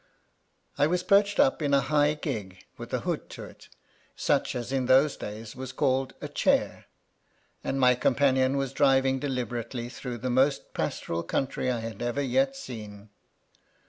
I was perched up in a high gig with a hood to it, such as in those days was called a chair, and my companion was driving deliberately through the most pastoral country I had ever yet seen.